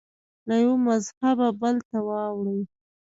له یوه مذهبه بل ته واوړي